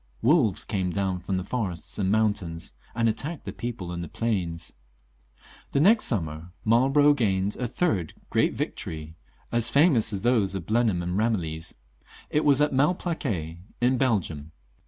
Wolves came down from the forests and mountains and attacked the people in the plains. The next summer Marlborough gained a third great victory, as famous as those of Blenheim ancl Eamillies ; it was at Malplaquet, in Belgium.